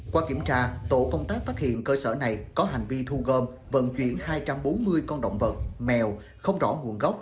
qua kiểm tra tổ công tác phát hiện cơ sở này có hành vi thu gom vận chuyển hai trăm bốn mươi con động vật mèo không rõ nguồn gốc